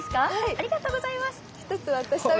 ありがとうございます。